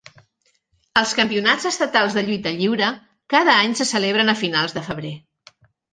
Els campionats estatals de lluita lliure cada any se celebren a finals de febrer.